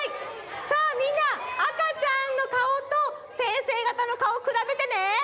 さあみんな赤ちゃんのかおと先生がたのかおくらべてね。